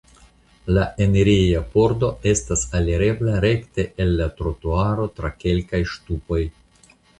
La enireja pordo estas alirebla rekte el la trotuaro tra kelkaj ŝtupoj.